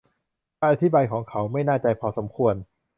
การอธิบายของเขาไม่น่าพอใจพอสมควร